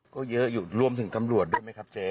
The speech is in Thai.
ก็เยอะอยู่รวมถึงตำรวจด้วยไหมครับเจ๊